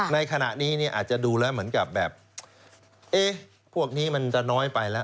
ในขณะนี้อาจจะดูแล้วเหมือนกับแบบพวกนี้มันจะน้อยไปแล้ว